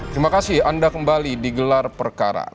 terima kasih anda kembali di gelar perkara